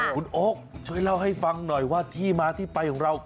คุณโอ๊คช่วยเล่าให้ฟังหน่อยว่าที่มาที่ไปของเรา